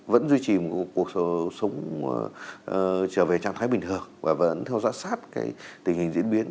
vẫn duy trì một cuộc sống trở về trạng thái bình thường và vẫn theo dõi sát tình hình diễn biến